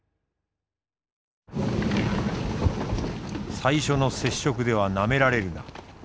「最初の接触ではなめられるな」。